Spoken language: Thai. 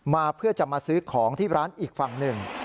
มาเพื่อจะมาซื้อของที่ร้านอีกฝั่งหนึ่ง